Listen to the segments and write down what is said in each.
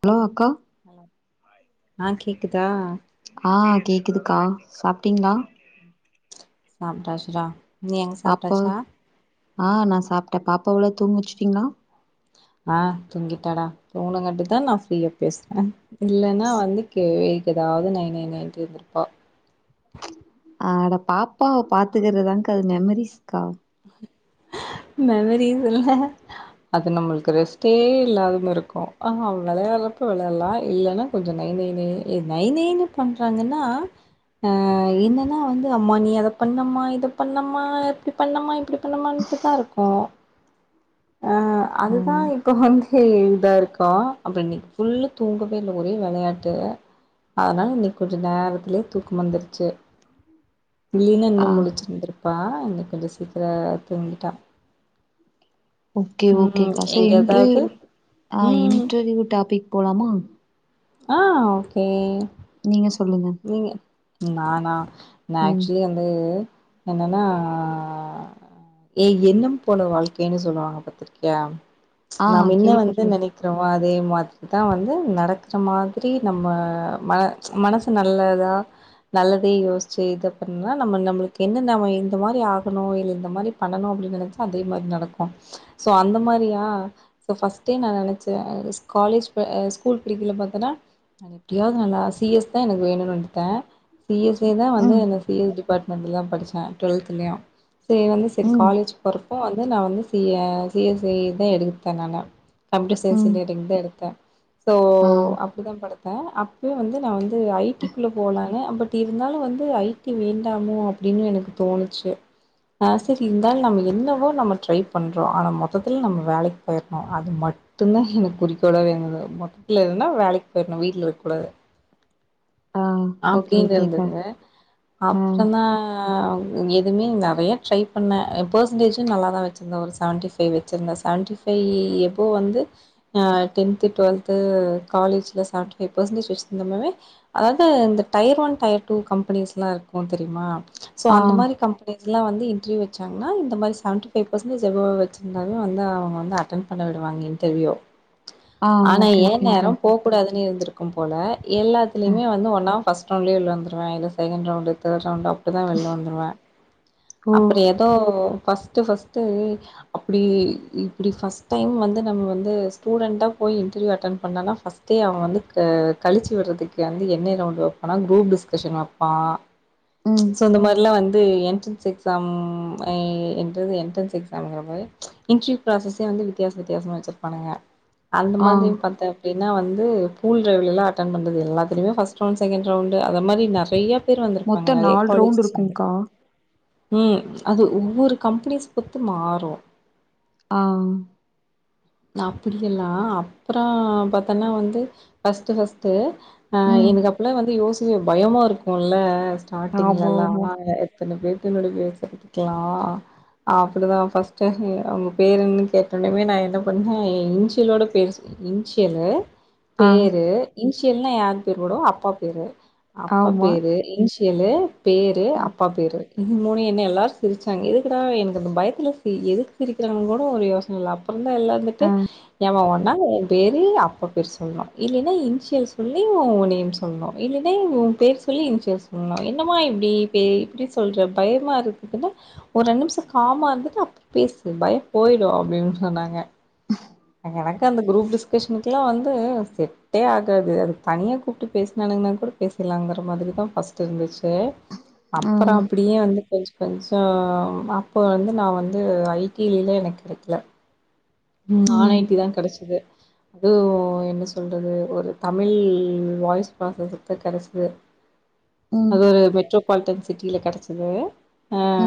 Hello அக்கா hello ஆ கேக்குத்தா ஆ கேக்குதுக்கா சாப்ட்டீங்ளா சாப்டாச்சுடா பாப்பா ஆ நா சாப்ட்டே பாப் பாவுலா தூங்கவச்சுட்டீங்களா ஆ தூங்கிட்டாடா தூங்ன காட்டு தா நா ஃப்ரீயா பேசுறே இல்லன்னா வந்து கே வை ஏதாவது நை நை நைன்ட்டு இருந்திருப்பா ஆ அத பாப்பாவ பாத்துக்கறதான்க்கா அது மெமரிஸ்க்கா மெமரிஸ் இல்ல அது நம்மளுக்கு ரெஸ்ட்டே இல்லாத மார் இருக்கு ஆ அவ வெளையாடுறப்ப வெளையாடலா இல்லன்னா கொஞ்சம் நை நை நை நை நைனு பண்றாங்கன்னா அ என்னன்னா வந்து அம்மா நீ அத பண்ணம்மா இத பண்ணம்மா இப் பண்ணம்மா இப்டி பண்ணமான்ட்டு தா இருக்கு ஆ ஆ அதுதா இப்போ வந்து இதா இருக்கு அப்புறோ இன்னைக்கு ஃபுல்லு தூங்கவே இல்ல ஒரே வெளையாட்டு அதனால இன்னைக்கு கொஞ்சம் நேரத்திலயே தூக்கம் வந்துருச்சு இல்லைனா ஆ இன்னும் முழிச்சிருந்திருப்பா இன்னைக்கு கொஞ்ச சீக்கிர தூங்கிட்டா ஓகே ஓகே ம் காசேரி எங்க ஏதாவது இன்டர்வியூ ஆ ம் இன்டர்வியூ டாபிக் போலாமா ஆ ஓகே நீங்க ஸ் சொல்லுங்க நீங்க நானா நா ம் ஆக்சுவலி வந்து என்னன்னா ஏ எண்ணம் போல வாழ்க்கைன்னு சொல்லுவாங்க பாத்திரிக்கியா ஆ நாம என்ன வந்து கேள்விப்பட்ரு நெனைக்கிறோ அ அதே மாதிரி தா வந்து நடக்கிற மாதிரி நம்ம ம மனசு நல்லதா நல்லதே யோஸ்ச்சு இத பண்ணா நம்ம நம்ளுக்கு என்னன்ன வே இந்த மாரி ஆகணும் இல்ல இந்த மாரி பண்ணனு அப்டினு நெனச்சா அதே மாதிரி நடக்கும் சோ அந்த மாரியா ஃபஸ்ட் டைம் நா நெனச்சே ஸ்காலேஜ் அ ஸ்கூல் படிக்கைல பாத்தனா நானு எப்டியாது நல்லா சி எஸ் தா எனக்கு வேணுன் எடுத்த சி எஸ் இ தா வந்து ம் சி எஸ் டிபார்ட்மெண்ட்லதா படிச்ச டுவெல்த்லயு செரி வந்து சரி ம் காலேஜ் போறப்ப வந்து நா வந்து சி சி எஸ் இ தா எடுத்த நானு கம்யூட்டர் சய்ன்ஸ் ம் இன்ஜினியரிங்தா எடுத்த சோ ஆ அப்டிதா படி ச்ச அப்பயு வந்து நா வந்து இது ஐ டி க்குள்ள போலானு பட் இருந்தாலு வந்து ஐ டி வேண்டாமோ அப்டினு எனக்கு தோணுச்சு ஆஸ் இட் இர்ந்தாலு நம்ம என்னவோ நம்ம ட்ரை பண்றோ ஆனா மொத்தத்துல நம்ம வேலைக்கு போயர்ணு அது மட்டுந்தா எனக்கு குறிக்கோளாவே இருந்துது மொத்தத்துல எதுனா வேலைக்கு போயிர்ணு வீட்ல இருக்க கூடாது ஆ ஓகே அப்டினு ஓகேக்கா இருந்துது ஆ அப்றந்தா இதுமே நெறையா ட்ரை பண்ண பெர்சன்டேஜு நல்லாதா வெச்சுருந்தே ஒரு செவன்டி ஃபைவ் வச்சுருந்தே செவன்டி ஃபைவ் எபோ வந்து டென்த்து டுவெல்த்து காலேஜ்ல செவன்டி ஃபைவ் பெர்சன்டேஜ் வெச்சுருந்தமவே அதாது இந்த டயர் ஒன் டயர் டூ கம்பெனிஸ்லா இருக்கு தெரிமா சோ ஆ அந்த மாரி கம்பெனி ஸ்லா வந்து இன்டர்வியூ வெச்சாங்னா இந்த மாரி செவன்டி ஃபைவ் பெர்சன்டஜ் எபோ வெச்சிருந்தாலு வந்து அவங்க வந்து அட்டன் பண்ண விடுவாங்க இன்டெர்வியூ ஆ ஆனா ஓகே எ ஓகேங்க்கா நேரம் போக கூடாதுனே இருந்திருக் கும் போல ஆ எல்லாத்லயுமே ஃபஸ்ட் ரவுண்டலயே வெளிய வந்துருவ இல்ல second round third round up to தா வெள்ல வந்துருவே ஓ அப்பறோ எதோ ஃபஸ்ட்டு ஃபஸ்ட்டு அப்டி இப்டி ஃபஸ்ட் டைம் வந்து நம்ம வந்து ஸ்டூடெண்ட்டா போய் இன்டர்வியூ அட்டென் பண்ணனனா ஃபஸ்ட்டே அவன் வந்து கழிச்சு விடுறதுக்கு து என்ன ரவுண்ட் வைப்பனா குரூப் டிஸ்கஷன் வைப்பா ம் சோ இந்த மாரில்லா வந் இது என்ட்ரன்ஸ் எக்ஸாம் என்றது என்ட்ரன்ஸ்ங்குற மாரி இன்டர்வியூ ப்ராஸ்சசே வந்து வித்தியாச வித்தியாசமா வச்சிருப்பானுக அந்த ஆ மாதிரி பாத்தா எப்டி என்ன வந்து ஃபூல் டிரைவ்லல்லா அட்டன் பண்றது எல்லா இதுமே பஸ்ட் ரவுண்ட் செகண்ட் ரவுண்டு அத மாரி நெறைய பேர் வந்திருப்பாங்க மொத்த நெறைய நாலு ரவுண்ட் காலேஜஸ்லருந்து இருக்கும்கா ம் அது ஒவ்வொரு கம்பெனிஸ் பொர்த்து மாறு ஆ அப்படி எல்லா அப்பறோ பாத்தன்னா வந்து ஃபஸ்ட்டு ஃபஸ்ட்டு ஆ ம் எனுக் அப்புல வந்து யோசி இது பயமா இருக்கும்ல ஸ்டார்டிங்ல ஆமா எல்லா ஆமா நாங்க எத்தன பேர் என்னுடைய பேசண்ட்க்கெல்லா அப்படிதா ஃபஸ்ட் டைம் இ அவுங்க பேரு என்னனு கேட்டொன்னமே நா என்ன பண் [unintelligible] இன்ஷியலோட பேரு [unintelligible] இன்ஷியலு ஆ பேரு இன் இன்ஷியல்னா யார் பேர் போடுவோ அப்பா பேரு அப்பா ஆமா பேரு இன்ஷி சியலு பேரு அப்பா பேரு இது மூணு என்ன எல்லாரு சிரிச்சாங்க எதுக்குடா எனக்கு அந்த பயத்தில்ல சிரி எதுக்கு சிரிக்கிறாங்க கூட ஒரு யோசனை இல்லை அப்பறம்தா [unintelligible] எல்லா இர்ந்துட்டு ஆ ஏமாற்ங்க நா என் பேரு அப்பா பேரு சொல்லனும் இல்லைன்னா இனிசியல் சொல்லி உன் நேம் சொல்னும் இல்லே டெய்லியு உன் பேர் சொல்லி இன்சியல் சொல்லணும் என்னமா இப்டி பே இப்டி சொல்ற பயமா இருக்குதுல்ல ஒரு ரெண் நிம்ஷோ காமா இருந்துட்டு அப் [inaudible] பேசு பயம் போய்டும் அப்டின்னு சொன்னாங்க எனக்கும் அந்த குரூப்க்கு கேஷனல்க்குலா வந்து செட்டே ஆகாது அது தனியா கூப்ட்டு பேஸ்னானுங்கனா கூட பேசலாங்கற மாதிரி தான் ஃபஸ்ட் இருந்துச்சு டு அப்புறம் ம் அப்டியே வந்து கொஞ் கொஞ்சோ அப்போ வந்து நா வந்து ஐ டி லயெல்லா எனக் கெடைக்கல நான் ஐ ம் டி தான் கெடச்சது அதுவும் என்ன சொல்றது ஒரு தமிழ் வாய்ஸ் ப்ராஸஸ்க்கு கெடச்சுது ம் அது ஒரு மெட்ரோ குவால்ட்டன் சிட்டில கெடச்சது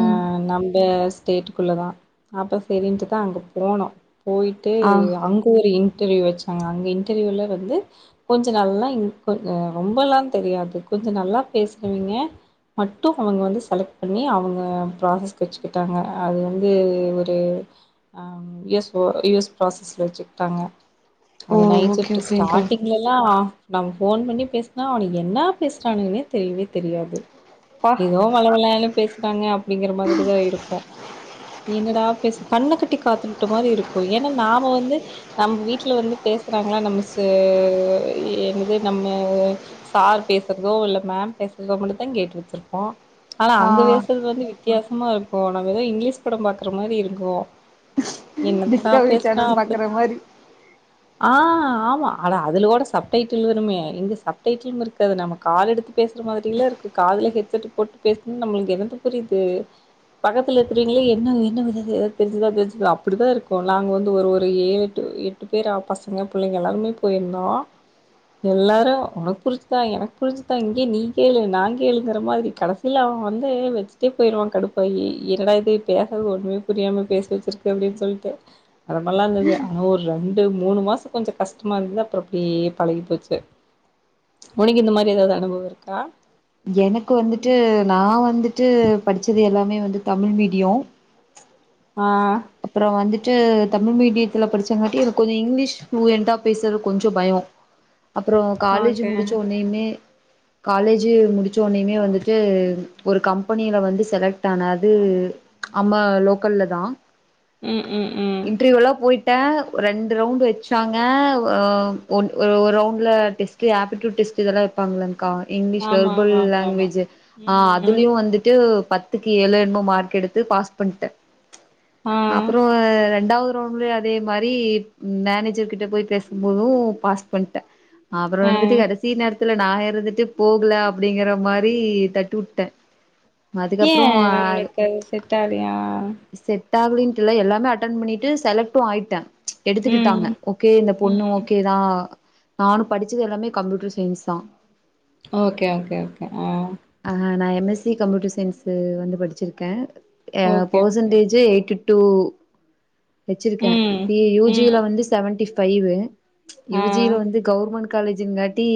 ம் நம்ப ஸ்டேட்டுக்குள்ள தான் அப்ப சரின்ட்டு தான் அங்க போனோம் போயிட்டு ஆ அங்க ஒரு இன்டர்வியூ வச்சாங்க அங்க இன்டர்வியூல வந்து கொஞ்ச நல்லா இன் கொஞ்ச ரொம்பல்லா தெரியாது கொஞ்ச நல்லா பேசுறவிங்க மட்டு அவங்க வந்து செலக்ட் பண்ணி அவங்க ப்ராசஸ்க்கு வெச்சுக்கிட்டாங்க அது வந்து ஒரு ஆஹ் எஸ் யூஸ் ப்ராசஸ்ல வச்சுக்கிட்டாங்க ஓ அது நைட் ஓகே சிப்ட் ஓகேங்க்கா ஸ்டார்ட்டிங்லல்லாம் நம்ம ஃபோன் பண்ணி பேஸ்னா அவனுக என்ன பேசறானுங்கனே தெரியவே தெரியாது ப்பா எதோ வழ வழனு பேஸ் காங்க அப்டிங்கிற மாதிரி தா இருக்கு என்னடா பேச கண்ண கட்டி காட்லுட்ட மாரி இரு க்கு ஏன்னா நாம வந்து நம்ம வீட்டுல வந்து பேசுறாங்களா நம்ம சே ஆ என்னது நம்ம சார் பேசுறதோ இல்ல மேம் பேசுறதோ மட்டும் தான் கேட்டு வச்சிருப்போம் ஆனா ஆ அங்க பேசுறது வந்து வி வித்தியாசமா இருக்கும் நம்ம ஏதோ இங்கிலீஷ் படம் பாக்குற மாரி இருக்கும் என்ன டிஸ்கவரி சேனல் பாக்குற மாரி ஆஹ் ஆமா அட அதுல கூட சப் டைட்டில் வருமே இங்க சப் டைட்டிலும் இருக்காது நம்ம கால் எடுத்து பேசுற மாரில்ல இருக்கு காதுல ஹெட்செட் போட்டு பேசுனா நம்மளுக்கு என்னத்த புரிது பக்கத்துல இருக்கறவீங்களே என்ன என்ன பண்ணுது தெரிஞ்சுதா பேசுதா அப்டிதா இருக்கு க்குல்ல அங்க வந்து ஒரு ஒரு ஏழெட்டு எட்டு பேரா பசங்க புள்ளைங்க எல்லாருமே போயிருந்தோம் எல்லாரும் உனக்கு புரிஞ்சுந்தா எனக்கு புரிஞ்சுதா இங்கே நீ கேளு நா கேளுங்கிற மாரி கடசீல அவன் வந்து வச்சுட்டே‌ போய்றுவான் கடுப்பாயி என்னடா இது பேசறது ஒன்மே புரியாம பேசி வச்சிருக்கு அப்டின்னு சொல்ட்டு அது மாரிலாம் இருந்தது ஆனா ஒரு ரெண்டு மூணு மாசம் கொஞ்சம் கஷ்டமா இருந்தது அப்புறம் அப்டியே பழகி போச்சு உனக்கு இந்த மாரி ஏதாவது அனுபவம் இருக்கா எனக்கு வந்துட்டு நா வந்து டு படிச்சது எல்லா மே வந்து தமிழ் மீடியோ ஆஹ் அப்புறம் வந்துட்டு தமிழ் மீடியத்துல படிச்சாங்காட்டியு எனக்கு கொஞ்சோ இங்கிலீஷ் ஃப்ளூயன்டா பேசுறதுக்கு கொஞ்சோ பயம் அப்புறம் காலேஜ் ஓகே முடிச்ச உட்னயுமே காலேஜு முடிச்சோனமே வந்துட்டு ஒரு கம்பெனியில வந்து செலக்ட் ஆனா அது நம்ம லோக்கல்லதா ம் ம் ம் ட்ட ரெண்டு ரவுண்டு வெச்சாங்க ஒ ஒ ஒரு ரவுண்டுல டெஸ்ட்டு ஆப்டியுட் டெஸ்ட்டு இதெல்லா வெப்பாங்கல்லங் க்கா இங்கிலிஷ் ஆமா வெர்பல் ஆமா ஆமா ஆமா லாங்வேஜு ஆ ம் அதுலயு வந்துட்டு பத்துக்கு ஏழோ என்னமோ மார்க் எடுத்து பாஸ் பண்ட்ட ஆ அப்றொ ரெண்டாவு து ரவுண்ட்லயு அதே மாரி மேனேஜர் கிட்ட போய் பேசும் போது பாஸ் பண்ட்ட அப்ற ஆ வந்துட்டு கடைசி நேர த்துல நா இருந்துட்டு போகல அப்டிங்கிற மாரி தட்டுட்டே ஏ உனக்கு அது செட்டாவ்லியா ட்டாகுலி ன்டில்ல எல்லாமே அட்டன் பண்ணிட்டு செலக்ட்டு ஆய்ட்ட ம் எடுத்துகிட்டாங்க ஓகே இந்த பொண்ணு ம் ஓகேதா நானு படிச்சது எல்லாமே கம்ப்யூட்டர் சயின்ஸ்தா ஓகே ஓகே ஓகே ஆ கம்பியூட்டர் சயின்சு வந்து படிச்சிருக்கே எ okay okay percentage okay eighty two வெச்சிருக்கே ம் பி யூ ஜி ம் ல வந்து செவன்ட்டி ஃபைவு ஆ யூ ஜி ல வந்து கவுர்மெண்ட் காலேஜிங் காட்டி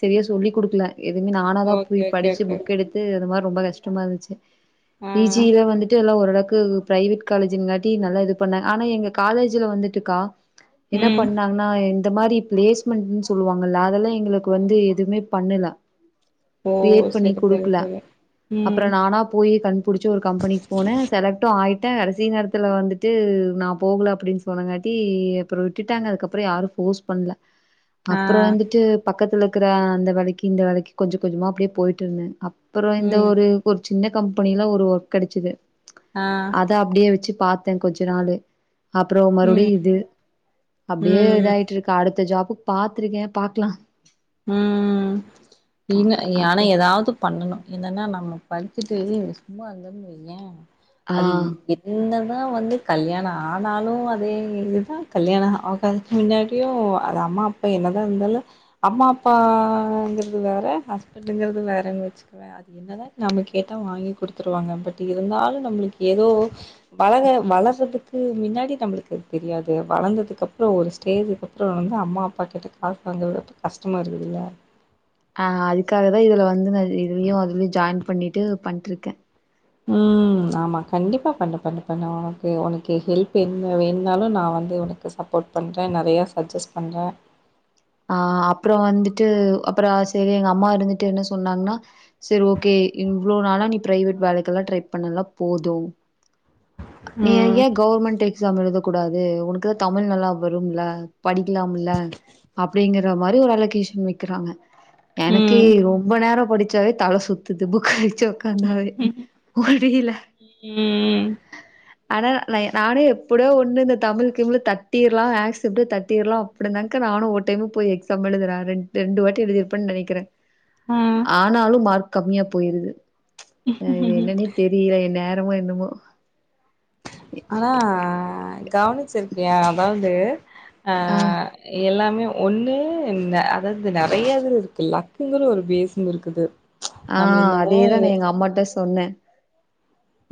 செரியா சொல்லி குடுக்கல எதுமே நானாதா போய் ஓகே ஓகே படிச்சு ஓகே புக் எடுத்து அதமார் ரொம்ப கஷ்டமா இருந்துச்சு ஆ பி ஜி ல வந்துட்டு எல்லா ஒரளவுக் கு ப்ரைவே ட் காலேஜுங்காட்டி நல்லா இது பண்ணா ஆனா எங்க காலேஜுல வந்துட்டுக்கா என்ன ம் பண்ணாங்னா இந்த மாரி பிலேஸ்மெண்ட்டுன் சொல்லுவாங்கல்ல அதெல்லா எங் களுக்கு வந்து எதுமே பண்ணுல ஓ கிரியேட் பண்ணி செரி செரி குடுக்குல செரி அப்பற ம் நானா போயி கண்பிடிச்சு ஒரு கம்பெனிக்கு போனே செலக்ட்டு ஆய் ட்ட கடைசி நேரத்துல வந்துட்டு நா போகல அப்டின் சொன்னங்காட்டி அப்புற விட்டுட்டாங்க அதுக்கப்புற யாரு ஃபோர்ஸ் பண்ல ஆ அப்பற வந்துட்டு பக்கத்துல க்கற அந்த வேலைக்கு இந்த வேலைக்கு கொஞ்ச கொஞ்சமா அப்டியே போயிட்டிருந்த அப் அப்புற இந்த ம் ஒரு கொஞ்ச சின்ன கம்பெனில ஒரு ஒர்க் கெடச்சுது ஆ அத அப்டியே வெச்சு பா த்தே கொஞ்ச நாலு அப்புறம் மறுபடியும் ம் இது அப்பிடியே ம் இதாயிட்டு இருக்கா அடுத்த ஜாப் ஓ பாத்துருக்கே பாக்கலா ம் நீங்க எல்லாரு அப்டி எதாவது பண்ணணு என்னனா நம்ம படிச்சுட்டு சும்மா இந்தோன்னு வெயேன் அது ஆ எதுன்னா அதெல்லா வந்து கல்யாணம் ஆனாலும் அதே இதுதான் கல்யாண ஆகாததுக்கு மின்னாடியும் அது அம்மா அப்பா என்னதான் இருந்தாலும் அம்மா அப்பாங்கிறது வேற ஹஸ்பண்டங்கிறது வேறன்னு வச்சுக்குவே அது என்னதான் நம்ம கேட்டா வாங்கி குடுத்துருவாங்க பட் இருந்தாலும் நம்மளுக்கு ஏதோ வளர வளர்றதுக்கு மின்னாடி நம்பளுக்கு தெரியாது வளந்ததுக்கு அப்பறம் ஒரு ஸ்டேஜ்க்கு அப்பறம் ரொம்ப அம்மா அப்பா கிட்ட காசு வாங்கவே கஷ்டமா இருக்குதுல ஆ அதுக்காக தான் இதுல வந்து நா இதுலயு அதுலயு ஜாய்ண்ட் பண்ணிட்டு பண்ட்ருக்கேன் ம் ஆமா கண்டிப்பா பண்ணு பண்ணு பண்ணு ஓகே ஓனக்கு ஹெல்ப் என்ன வேணுனாலும் நான் வந்து உனக்கு சப்போர்ட் பண்றேன் நறைய சஜஸ்ட் பண்றே ஆ அப்புறம் வந்துட்டு அப்புறம் செரி எங்க அம்மா இருந்துட்டு என்ன சொன்னாங்கன்னா செரி ஓகே இவ்ளோ நாளா நீ பிரைவேட் வேலைக்குல்லா ட்ரை பண்ணலாம் போதும் அ நீ ம். ஏன் கவுர்மெண்ட் எக்ஸாம் எழுதக் கூடாது உனக்குதான் தமிழ் நல்லா வரும்ல படிக்கலாம்ல அப்டிங்கிற மாரி ஒரு அலோகேஷன் வெக்கிறாங்க எனக்கே ம். ரொம்ப நேர படிச் தல சுத்துது புக் உக்கந்தாவே முடில ம். ஆனா நானு எப்டியோ ஒண்ணு இந்த தமிழ் கிமிழ் தட்டிறலாம் ஆக்சப்ட தட்டிடலாம் அப்படினாக்க நானு ஒ டைம் போய் எக்ஸாம் எழுதுற ரென் ரெண்டுவாட்டி எழுதிருபே நெனைக்கிறே ஆ. ஆனாலும் மார்க் கம்மியா போயிருது ம்ஹ்ம். என்னன்னே தெரியல என் நேரம் என்னமோ என்னமோ ஆனா கவனிச்சிருக்கியா அதாவுது ஆ ஆஹ் எல்லாம் ஒண்ணு அதாது நெறைய இது இருக்குல க்குங்கற ஒரு [unintelligible] இருக்குது நம்ம ஆஹ் என்னதான் அதேதான் நான் எங்க அம்மாட்ட சொன்னே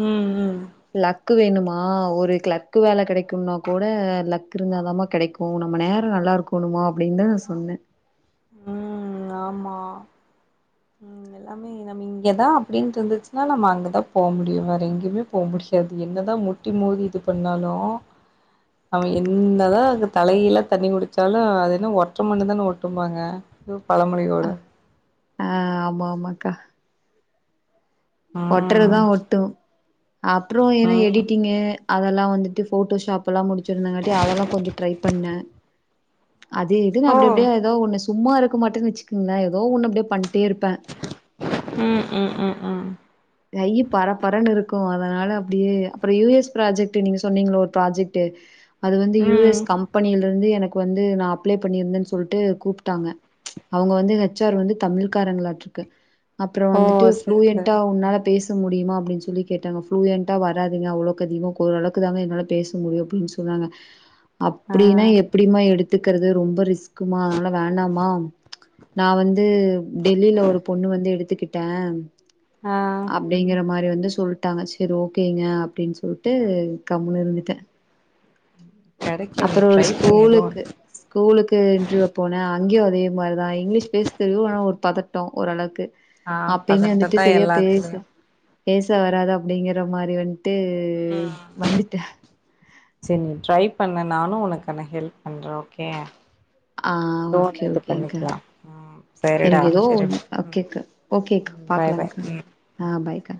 ம், ம். லக்கு வேணுமா ஆஹ் ஒரு கிளர்க்கு வேல கிடைக்கும்னா கூட லக் இருந்தாதாம கெடைக்கூ நம்ம நேரோ நல்லா இருக்கணுமா அப்டின்னு சொன்னே உம் ஆமா உம் எல்லாமே நம்ம இங்கதான் அப்டின்டு இருந்துச்சுன்னா நம்ம அங்கதான் போ முடியு வேற எங்கேயுமே போ முடியாது என்னதான் முட்டி மோதி இது பண்ணாலு நம்ம என்னதான் வந்து தலைகீழ தண்ணி குடிச்சாலும் அது என்ன ஒற்ற மண்ணு தான ஒட்டும்பாங்க பழமொழிக் ஒட அஹ் ஆமா ஆமாக்கா ம் ஒட்டுறதுதான் ஒட்டு அப்பறோ என்ன ம் எடிட்டிங்கு அதெல்லா வந்துட்டு போட்டோஷாப்லாம் முடிச்சிருந்தாங்காட்டி அதெல்லா கொஞ்சோ ட்ரை பண்ணே அது இதுன்னு ஓ அப்டி அப்டியா ஏதோ ஒன்னு சும்மா இருக்க மாட்டேன்னு வச்சுக்கங்களன் ஏதோ ஒன்னு அப்டியே பண் உம் உம் உம் உம் கையி பரப்பரன்னு இருக்கூ அதனால அப்டியே அப்பறோ யு. எஸ் ப்ராஜெக்ட் நீங்க சொன்னீங்களா ஒரு ப்ராஜெக்ட்டு அது வந்து யூ. ம் எஸ் கம்பெனில் இருந்து எனக்கு வந்து நா அப்ளை பண்ணியிருந்தேன்னு சொல்லிட்டு கூப்டாங்க அவுங்க வந்து ஹெச். ஆர் வந்து தமிழ்காரங்களாட்டு இருக்கு அப்பறோ ஓ வந்துட்டு சரி சரி ஃப்ளூயண்டா உன்னால பேச முடியுமா அப்டின்னு சொல்லி கேட்டாங்க ஃப்ளுயண்டா வராதுங்க அவ்ளோக்கு அதிகம் ஓரளவுக்குதாங்க என்னால பேச முடியும் அப்டின்னு சொன்னாங்க ஆ அப்டின்னா எப்டிமா எடு த்துக்கிறது ரொம்ப ரிஸ் க்மா அதனால வேண்டாமா நா வந்து டெல்லியில ஒரு பொண்ணு வந்து எடுத்துக்கிட் டேன் ஆ அப்டிங்கற மாரி வந்து ஸ் சொல்ட்டாங்க செரி ஓகேங்க அப்டின்னு சொல்ட்டு கம்முனு இருந்துட்டேன் கெடைக்கு நீ அப்புறோ ஒரு ட்ரை பண்ணு எதோ ஸ்கூலுக்கு ஒன்னு ஸ்கூலுக்கு இன்டர்வியூ போனேன் அங்கேயும் மாரி தான் இங்கிலீஷ் பேச தெரியும் ஆனா ஒரு பதட்டோ ஓரளவுக்கு ஆஹ் அப்பயுமே வந்துட்டு பதட்டதா சரியா எல்லாத் பேசு பேச வராது அப்டிங்கற மாரி வந் ட்டு வந்துட்டே செரி நீ ட்ரை பண்ணு நானும் உனக்கான ஹெல்ப் பண்றேன் ஓகே ஆஹ் ஏதோ ஓகே ஒன்னு இது ஓகேங்கா பண்ணிக்கலா ம் சரிடா எனக்கு ஏதோ சரி ஒன்னு அ ம் ஓகேக்கா ஓகேக்கா ம் பாய் பாய் பாக்கலாங்கா ம் ஆஹ் பாய்கா